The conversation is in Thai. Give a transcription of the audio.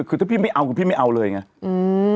คือถ้าพี่ไม่เอาคือพี่ไม่เอาเลยไงอืม